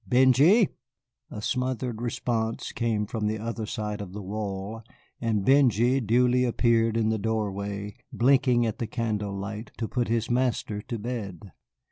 Benjy!" A smothered response came from the other side of the wall, and Benjy duly appeared in the doorway, blinking at the candlelight, to put his master to bed.